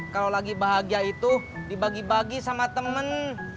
kalau lagi bahagia itu dibagi bagi sama temen